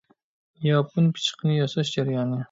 ياپون پىچىقىنى ياساش جەريانى.